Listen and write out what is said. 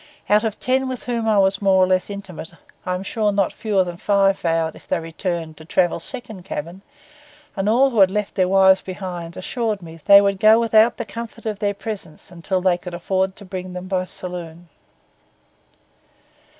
Out of ten with whom I was more or less intimate, I am sure not fewer than five vowed, if they returned, to travel second cabin; and all who had left their wives behind them assured me they would go without the comfort of their presence until they could afford to bring them by saloon.